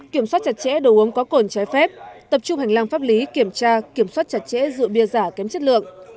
kiểm soát chặt chẽ đồ uống có cồn trái phép tập trung hành lang pháp lý kiểm tra kiểm soát chặt chẽ rượu bia giả kém chất lượng